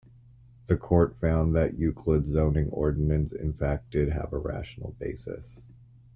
The Court found that Euclid's zoning ordinance in fact did have a rational basis.